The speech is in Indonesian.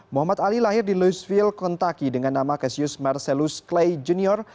muhammad ali lahir di louisville kentucky dengan nama cassius marcellus clay jr